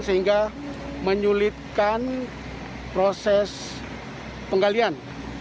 sehingga menyulitkan proses penggalian